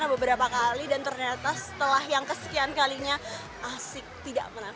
beberapa kali dan ternyata setelah yang kesekian kalinya asik tidak pernah